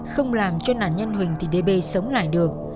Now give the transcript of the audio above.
không làm cho nạn nhân huỳnh thị đê bê sống lại được